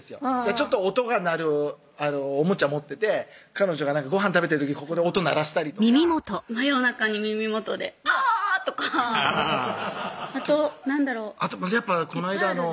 ちょっと音が鳴るおもちゃ持ってて彼女がごはん食べてる時ここで音鳴らしたりとか真夜中に耳元でアァーッとかハハハッあと何だろういっぱいあるこないだ